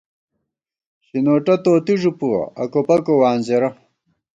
شِنوٹہ توتی ݫُو پُوَہ، اکوپکو وانزېرہ